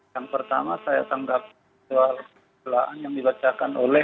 yang pertama saya tanggap soal pembelaan yang dibacakan oleh